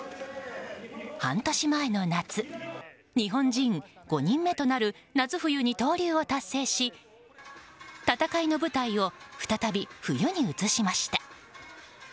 半年前の夏日本人５人目となる夏冬二刀流を達成し戦いの舞台を再び冬に移しました。